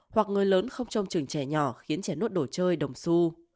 hoặc người lớn không trông trừng trẻ nhỏ khiến trẻ nuốt đổ chơi đồng su